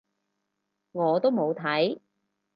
我都冇睇